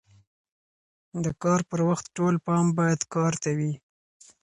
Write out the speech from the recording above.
د کار پر وخت ټول پام باید کار ته وي.